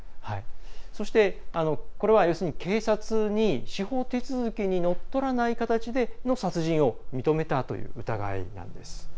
そして、これは要するに警察に司法手続きにのっとらない形での殺人を認めたという疑いなんです。